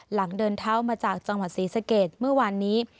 หลังเดินเท้ามาจากจังหวัดศรีสะเกดเมื่อวานนี้